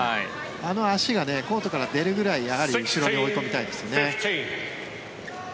あの足がコートから出るぐらい後ろに追い込みたいですね。